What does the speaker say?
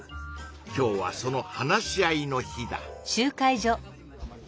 今日はその話し合いの日だ。